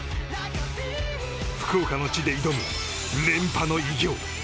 福岡の地で挑む連覇の偉業。